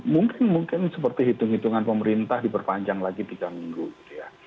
mungkin mungkin seperti hitung hitungan pemerintah diperpanjang lagi tiga minggu gitu ya